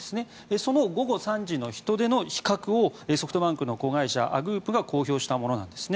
その午後３時の人出の比較をソフトバンクの子会社のＡｇｏｏｐが公表したものなんですね。